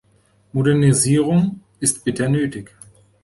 Modernisierung ist bitter nötig.